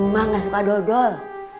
mak enggak suka dodol